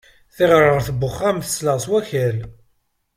Tiɣerɣert n uxxam tesleɣ s wakal.